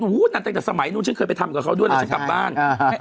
นั่นตั้งแต่สมัยนู้นฉันเคยไปทำกับเขาด้วยแล้วฉันกลับบ้าน